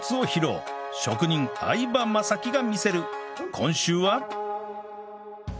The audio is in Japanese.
今週は？